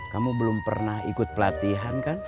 kamu belum pernah ikut pelatihan kan